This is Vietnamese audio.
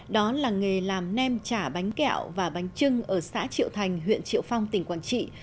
đó là nghề làm nem chả bánh kẹo và bánh trưng ở xã triệu thành huyện triệu phong tỉnh quảng trị